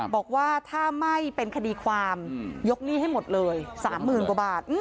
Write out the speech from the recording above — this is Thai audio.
บอกว่าถ้าไม่เป็นคดีความยกหนี้ให้หมดเลย๓๐๐๐กว่าบาท